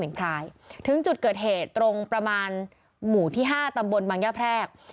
พรายถึงจุดเกิดเหตุตรงประมาณหมู่ที่ห้าตำบลบางย่าแพรก